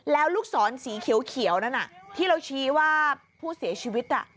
แล้วลูกศรสีเขียวนั้นที่เราชี้ว่าผู้เสียชีวิต